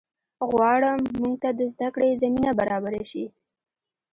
غواړم مونږ ته د زده کړې زمینه برابره شي